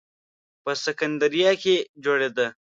په سکندریه کې جوړېده.